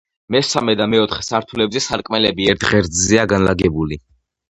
მესამე და მეოთხე სართულებზე სარკმელები ერთ ღერძზეა განლაგებული.